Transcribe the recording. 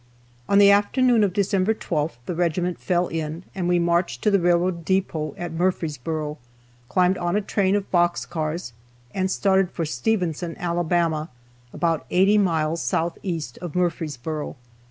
On the afternoon of December 12th the regiment fell in and we marched to the railroad depot at Murfreesboro, climbed on a train of box cars, and started for Stevenson, Alabama, about 80 miles southeast of Murfreesboro.